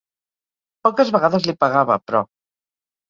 Poques vegades li pegava, però.